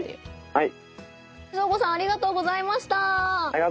はい。